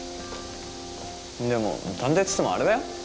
でも探偵っつってもあれだよ？